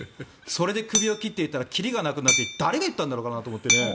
それでクビを切っていたら切りがなくなるって誰が言ったのかなと思って。